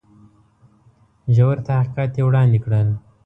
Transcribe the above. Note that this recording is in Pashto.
ژور تحقیقات یې وړاندي کړل.